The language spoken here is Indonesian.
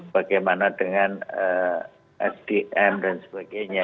bagaimana dengan sdm dan sebagainya